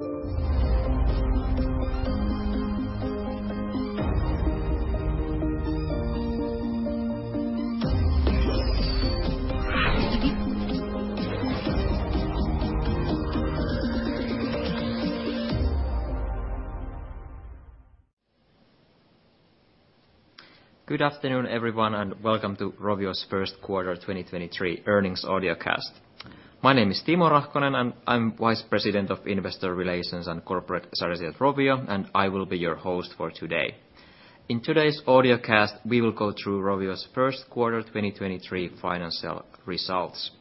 Good afternoon, everyone, welcome to Rovio's First Quarter 2023 Earnings audio cast. My name is Timo Rahkonen, I'm Vice President of Investor Relations and Corporate at Rovio, I will be your host for today. In today's audio cast, we will go through Rovio's first quarter 2023 financial results.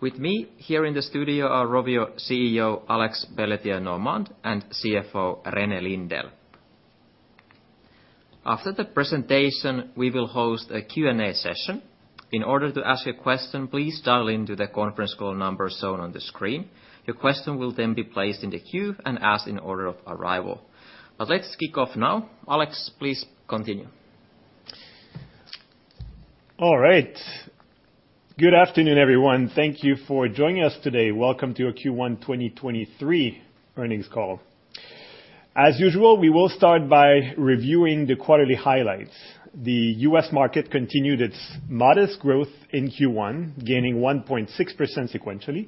With me here in the studio are Rovio CEO Alex Pelletier-Normand and CFO René Lindell. After the presentation, we will host a Q&A session. In order to ask a question, please dial into the conference call number shown on the screen. Your question will be placed in the queue and asked in order of arrival. Let's kick off now. Alex, please continue. All right. Good afternoon, everyone. Thank you for joining us today. Welcome to our Q1 2023 earnings call. As usual, we will start by reviewing the quarterly highlights. The U.S. market continued its modest growth in Q1, gaining 1.6% sequentially.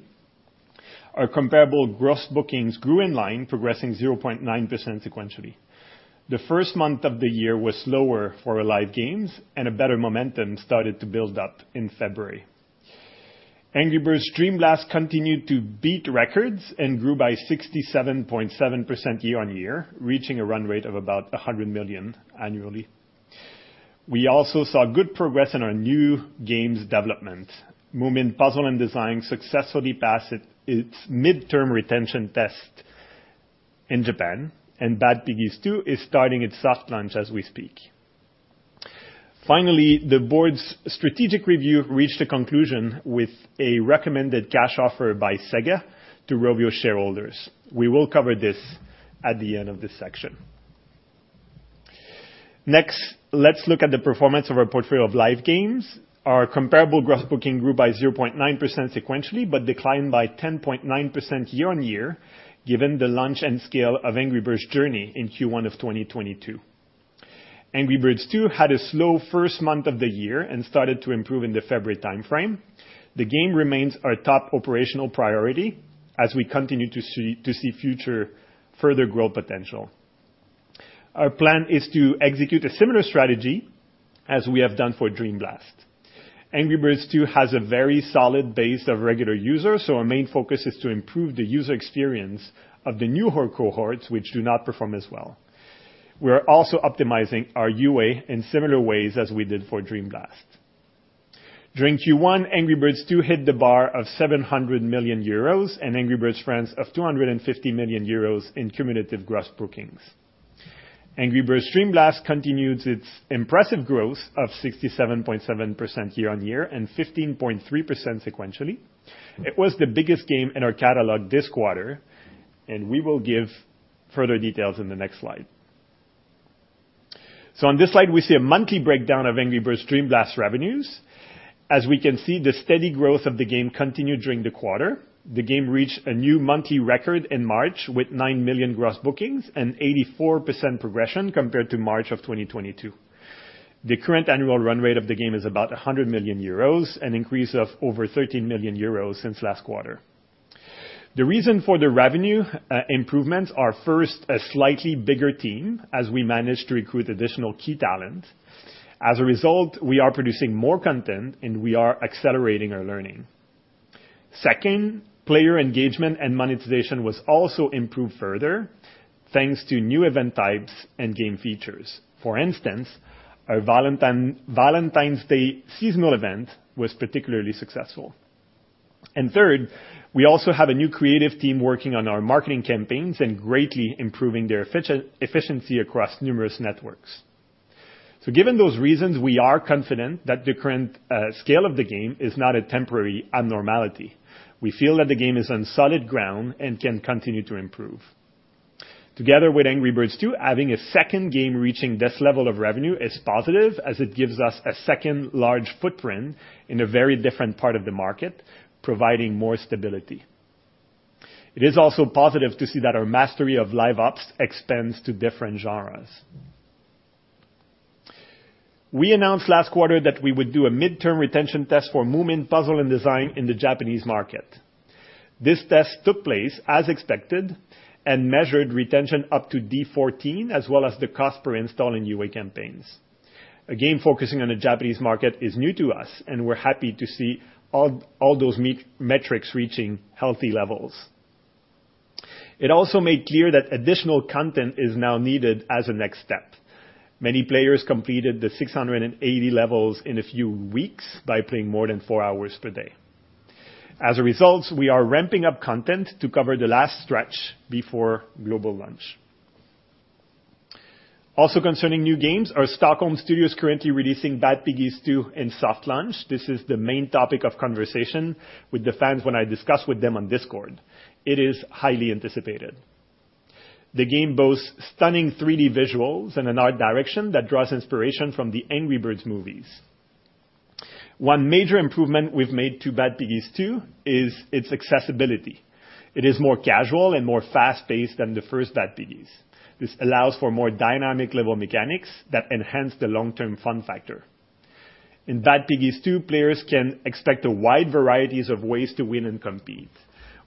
Our comparable gross bookings grew in line, progressing 0.9% sequentially. The first month of the year was slower for our live games, a better momentum started to build up in February. Angry Birds Dream Blast continued to beat records and grew by 67.7% year on year, reaching a run rate of about 100 million annually. We also saw good progress in our new games development. Moomin: Puzzle & Design successfully passed its midterm retention test in Japan, Bad Piggies 2 is starting its soft launch as we speak. Finally, the board's strategic review reached a conclusion with a recommended cash offer by SEGA to Rovio shareholders. We will cover this at the end of this section. Let's look at the performance of our portfolio of live games. Our comparable gross booking grew by 0.9 sequentially, but declined by 10.9% year-over-year, given the launch and scale of Angry Birds Journey in Q1 of 2022. Angry Birds 2 had a slow first month of the year and started to improve in the February timeframe. The game remains our top operational priority as we continue to see future further growth potential. Our plan is to execute a similar strategy as we have done for Dream Blast. Angry Birds 2 has a very solid base of regular users, so our main focus is to improve the user experience of the newer cohorts which do not perform as well. We are also optimizing our UA in similar ways as we did for Dream Blast. During Q1, Angry Birds 2 hit the bar of 700 million euros and Angry Birds Friends of 250 million euros in cumulative gross bookings. Angry Birds Dream Blast continues its impressive growth of 67.7% year-on-year and 15.3% sequentially. It was the biggest game in our catalog this quarter, and we will give further details in the next slide. On this slide, we see a monthly breakdown of Angry Birds Dream Blast revenues. As we can see, the steady growth of the game continued during the quarter. The game reached a new monthly record in March with 9 million gross bookings and 84% progression compared to March of 2022. The current annual run rate of the game is about 100 million euros, an increase of over 13 million euros since last quarter. The reason for the revenue improvements are first, a slightly bigger team as we managed to recruit additional key talent. As a result, we are producing more content, and we are accelerating our learning. Second, player engagement and monetization was also improved further thanks to new event types and game features. For instance, our Valentine's Day seasonal event was particularly successful. Third, we also have a new creative team working on our marketing campaigns and greatly improving their efficiency across numerous networks. Given those reasons, we are confident that the current scale of the game is not a temporary abnormality. We feel that the game is on solid ground and can continue to improve. Together with Angry Birds 2, having a second game reaching this level of revenue is positive, as it gives us a second large footprint in a very different part of the market, providing more stability. It is also positive to see that our mastery of live ops extends to different genres. We announced last quarter that we would do a midterm retention test for Moomin: Puzzle & Design in the Japanese market. This test took place as expected and measured retention up to D14, as well as the cost per install in UA campaigns. Focusing on the Japanese market is new to us, and we're happy to see all those metrics reaching healthy levels. It also made clear that additional content is now needed as a next step. Many players completed the 680 levels in a few weeks by playing more than four hours per day. As a result, we are ramping up content to cover the last stretch before global launch. Concerning new games, our Stockholm Studio is currently releasing Bad Piggies 2 in soft launch. This is the main topic of conversation with the fans when I discuss with them on Discord. It is highly anticipated. The game boasts stunning 3D visuals and an art direction that draws inspiration from the Angry Birds movies. One major improvement we've made to Bad Piggies 2 is its accessibility. It is more casual and more fast-paced than the first Bad Piggies. This allows for more dynamic level mechanics that enhance the long-term fun factor. In Bad Piggies 2, players can expect a wide varieties of ways to win and compete.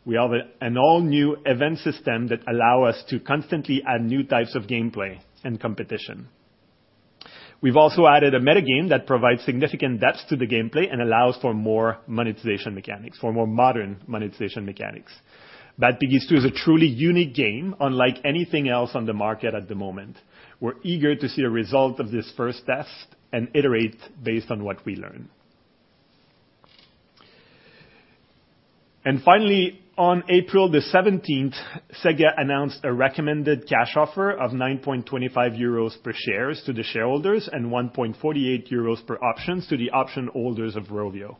We have an all-new event system that allow us to constantly add new types of gameplay and competition. We've also added a meta-game that provides significant depth to the gameplay and allows for more monetization mechanics, for more modern monetization mechanics. Bad Piggies 2 is a truly unique game unlike anything else on the market at the moment. We're eager to see a result of this first test and iterate based on what we learn. Finally, on April 17th, SEGA announced a recommended cash offer of 9.25 euros per shares to the shareholders and 1.48 euros per options to the option holders of Rovio.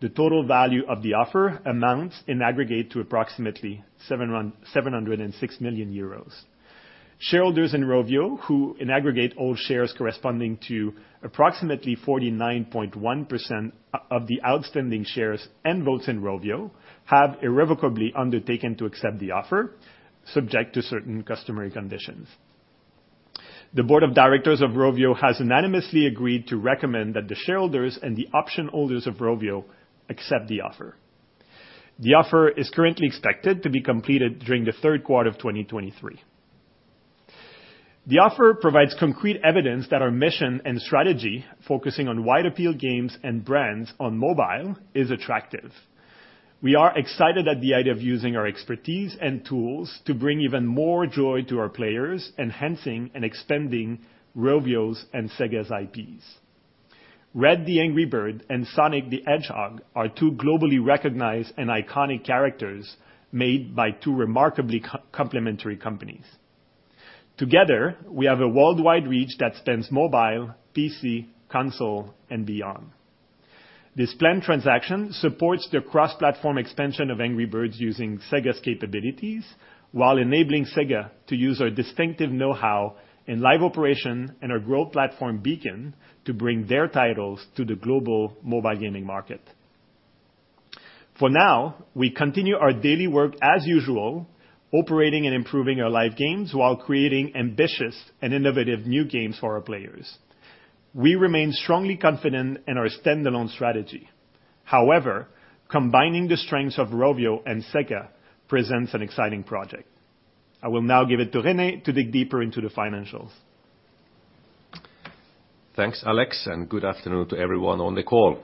The total value of the offer amounts in aggregate to approximately 706 million euros. Shareholders in Rovio who in aggregate hold shares corresponding to approximately 49.1% of the outstanding shares and votes in Rovio have irrevocably undertaken to accept the offer subject to certain customary conditions. The board of directors of Rovio has unanimously agreed to recommend that the shareholders and the option holders of Rovio accept the offer. The offer is currently expected to be completed during the third quarter of 2023. The offer provides concrete evidence that our mission and strategy, focusing on wide appeal games and brands on mobile, is attractive. We are excited at the idea of using our expertise and tools to bring even more joy to our players, enhancing and expanding Rovio's and SEGA's IPs. Red the Angry Bird and Sonic the Hedgehog are two globally recognized and iconic characters made by two remarkably co-complementary companies. Together, we have a worldwide reach that spans mobile, PC, console, and beyond. This planned transaction supports the cross-platform expansion of Angry Birds using SEGA's capabilities while enabling SEGA to use our distinctive know-how in live operation and our growth platform, Beacon, to bring their titles to the global mobile gaming market. For now, we continue our daily work as usual, operating and improving our live games while creating ambitious and innovative new games for our players. We remain strongly confident in our standalone strategy. However, combining the strengths of Rovio and SEGA presents an exciting project. I will now give it to René to dig deeper into the financials. Thanks, Alex, and good afternoon to everyone on the call.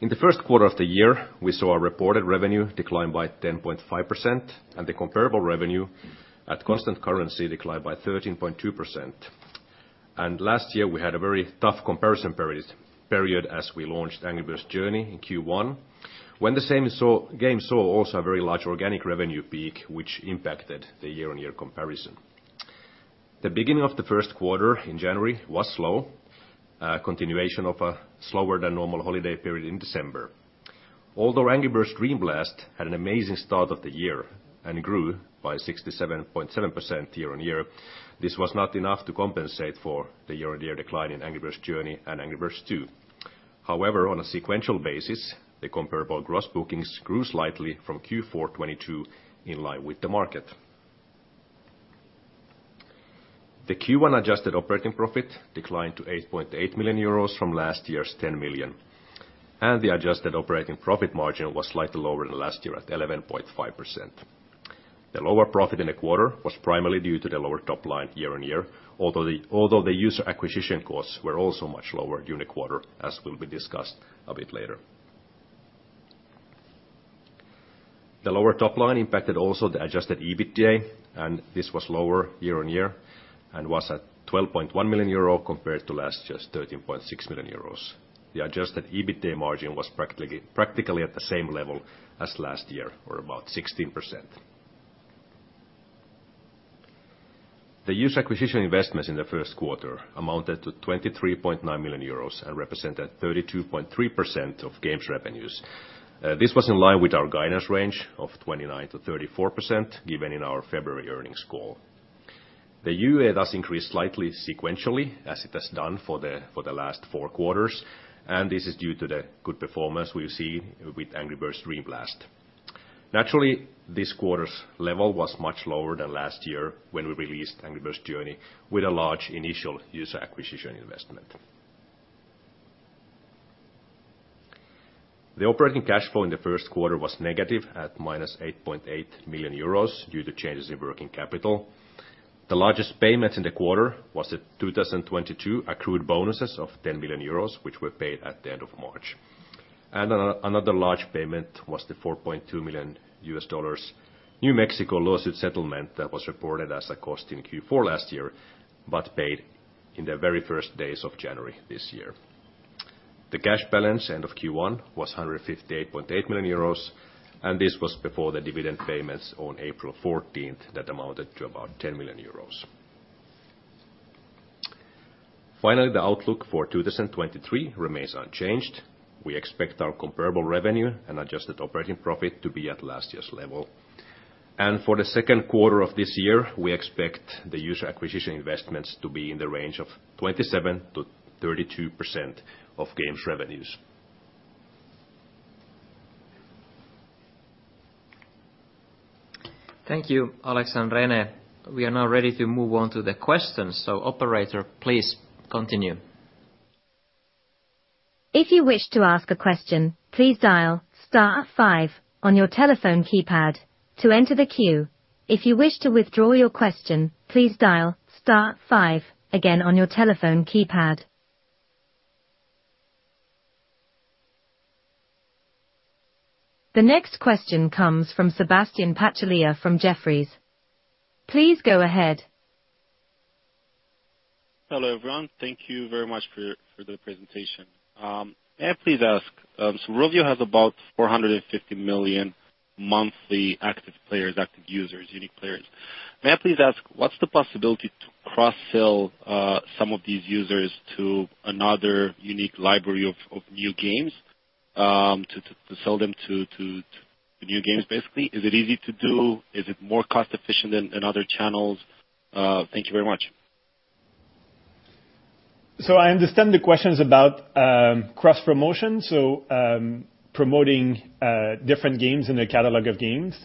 In the first quarter of the year, we saw our reported revenue decline by 10.5%, and the comparable revenue at constant currency decline by 13.2%. Last year, we had a very tough comparison period as we launched Angry Birds Journey in Q1, when the game saw also a very large organic revenue peak which impacted the year-on-year comparison. The beginning of the first quarter in January was slow, a continuation of a slower than normal holiday period in December. Although Angry Birds Dream Blast had an amazing start of the year and grew by 67.7% year-on-year, this was not enough to compensate for the year-on-year decline in Angry Birds Journey and Angry Birds 2. However, on a sequential basis, the comparable gross bookings grew slightly from Q4 2022 in line with the market. The Q1 adjusted operating profit declined to 8.8 million euros from last year's 10 million, and the adjusted operating profit margin was slightly lower than last year at 11.5%. The lower profit in the quarter was primarily due to the lower top line year-on-year, although the user acquisition costs were also much lower during the quarter, as will be discussed a bit later. The lower top line impacted also the adjusted EBITDA, and this was lower year-on-year and was at 12.1 million euro compared to last year's 13.6 million euros. The adjusted EBITDA margin was practically at the same level as last year or about 16%. The user acquisition investments in the first quarter amounted to 23.9 million euros and represented 32.3% of games revenues. This was in line with our guidance range of 29% to 34% given in our February earnings call. The UA does increase slightly sequentially as it has done for the last four quarters, and this is due to the good performance we've seen with Angry Birds Dream Blast. Naturally, this quarter's level was much lower than last year when we released Angry Birds Journey with a large initial user acquisition investment. The operating cash flow in the first quarter was negative at minus 8.8 million euros due to changes in working capital. The largest payment in the quarter was the 2022 accrued bonuses of 10 million euros, which were paid at the end of March. Another large payment was the $4.2 million New Mexico lawsuit settlement that was reported as a cost in Q4 last year but paid in the very first days of January this year. The cash balance end of Q1 was 158.8 million euros, this was before the dividend payments on April 14th that amounted to about 10 million euros. Finally, the outlook for 2023 remains unchanged. We expect our comparable revenue and adjusted operating profit to be at last year's level. For the second quarter of this year, we expect the user acquisition investments to be in the range of 27%-32% of games revenues. Thank you, Alex and René. We are now ready to move on to the questions. Operator, please continue. If you wish to ask a question, please dial star five on your telephone keypad to enter the queue. If you wish to withdraw your question, please dial star five again on your telephone keypad. The next question comes from Sebastian Patulea from Jefferies. Please go ahead. Hello, everyone. Thank you very much for the presentation. May I please ask, Rovio has about 450 million monthly active players, active users, unique players. May I please ask, what's the possibility to cross-sell some of these users to another unique library of new games, to sell them to new games, basically? Is it easy to do? Is it more cost efficient than other channels? Thank you very much. I understand the question's about cross-promotion, promoting different games in the catalog of games.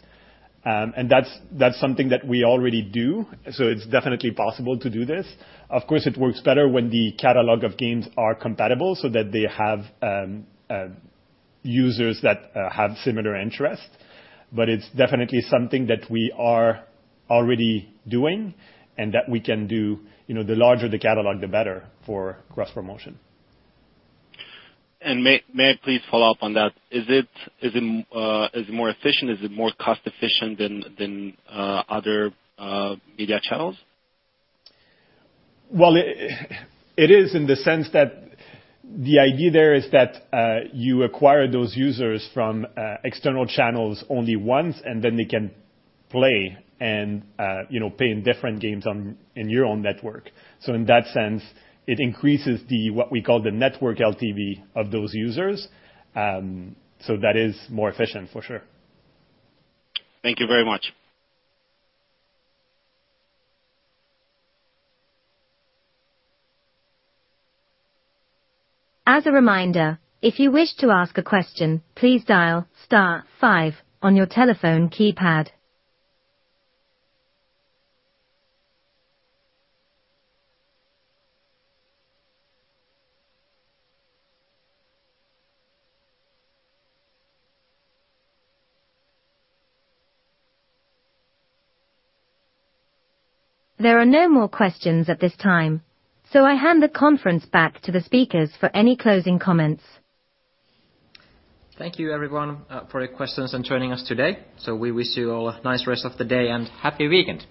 That's something that we already do, so it's definitely possible to do this. Of course, it works better when the catalog of games are compatible so that they have users that have similar interests. It's definitely something that we are already doing and that we can do. You know, the larger the catalog, the better for cross-promotion. May I please follow up on that. Is it more efficient? Is it more cost efficient than other media channels? Well, it is in the sense that the idea there is that you acquire those users from external channels only once, and then they can play and, you know, play in different games on, in your own network. In that sense, it increases the, what we call the network LTV of those users. That is more efficient for sure. Thank you very much. As a reminder, if you wish to ask a question, please dial star five on your telephone keypad. There are no more questions at this time, I hand the conference back to the speakers for any closing comments. Thank you, everyone, for your questions and joining us today. We wish you all a nice rest of the day, and happy weekend.